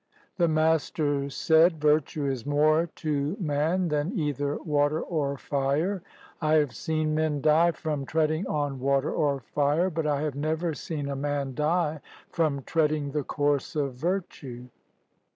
The Master said, " Virtue is more to man than either water or fire. I have seen men die from treading on water or fire, but I have never seen a man die from treading the course of virtue."